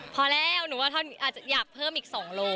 พอแล้วหนูว่าอยากเพิ่มอีก๒ลูก